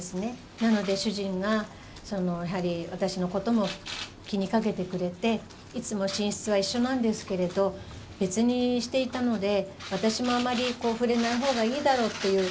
なので主人が、やはり私のことも気にかけてくれて、いつも寝室は一緒なんですけれど、別にしていたので、私もあまり触れないほうがいいだろうという。